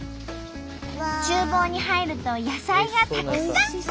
厨房に入ると野菜がたくさん！